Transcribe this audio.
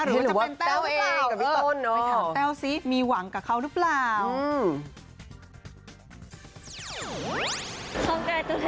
หรือว่าจะเป็นเต้าหรือเปล่าเออไปถามเต้าสิมีหวังกับเขาหรือเปล่าหรือว่าจะเป็นเต้าหรือเปล่า